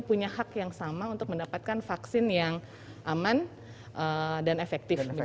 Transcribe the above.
punya hak yang sama untuk mendapatkan vaksin yang aman dan efektif